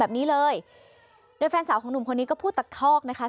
แบบนี้เลยโดยแฟนสาวของหนุ่มคนนี้ก็พูดตะคอกนะคะ